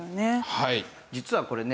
実はこれね